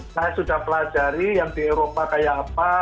saya sudah pelajari yang di eropa kayak apa